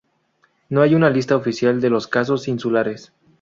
No hay una lista oficial de los Casos Insulares.